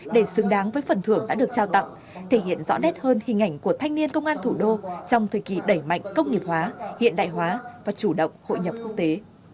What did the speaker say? để xứng đáng với phần thưởng đã được trao tặng thể hiện rõ nét hơn hình ảnh của thanh niên công an thủ đô trong thời kỳ đẩy mạnh công nghiệp hóa hiện đại hóa và chủ động hội nhập quốc tế